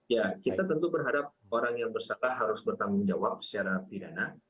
ya kita tentu berharap orang yang bersalah harus bertanggung jawab secara pidana